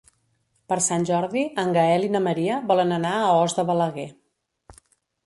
Per Sant Jordi en Gaël i na Maria volen anar a Os de Balaguer.